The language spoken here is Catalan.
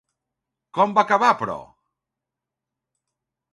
Com va acabar, però?